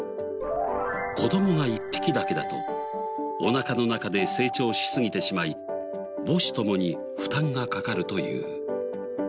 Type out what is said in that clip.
子供が１匹だけだとおなかの中で成長しすぎてしまい母子ともに負担がかかるという。